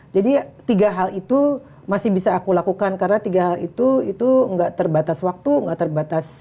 jadi tiga hal itu masih bisa aku lakukan karena tiga hal itu nggak terbatas waktu nggak terbatas kapan